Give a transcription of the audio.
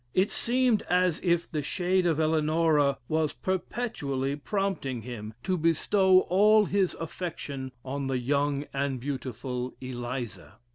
It seemed as if the shade of Eleanora was perpetually prompting him to bestow all his affection on the young and beautiful Eliza.